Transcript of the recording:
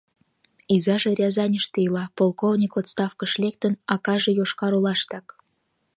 Изаже Рязаньыште ила, полковник, отставкыш лектын, акаже — Йошкар-Олаштак.